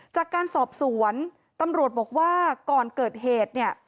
จากการสอบสวนตำรวจบอกว่าก่อนเกิดเหตุเนี่ย